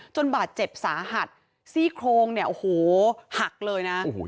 บาดเจ็บสาหัสซี่โครงเนี่ยโอ้โหหักเลยนะ